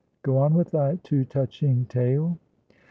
Go on with thy too touching tale."